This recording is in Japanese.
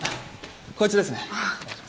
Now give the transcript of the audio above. こいつですね。